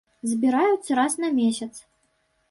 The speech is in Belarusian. Збіраюцца раз на месяц.